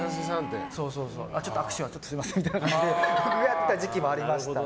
ちょっと握手はすみませんみたいな感じでやってた時期もありました。